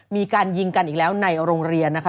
มีการยิงกันอีกแล้วในโรงเรียนนะคะ